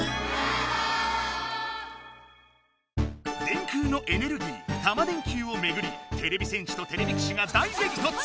電空のエネルギータマ電Ｑをめぐりてれび戦士とてれび騎士が大げきとつ！